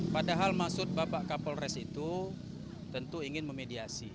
padahal maksud bapak kapolres itu tentu ingin memediasi